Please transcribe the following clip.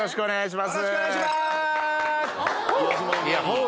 よろしくお願いします！ホゥ！